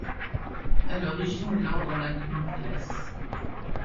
À l'origine, l'Ordre n'a qu'une Classe.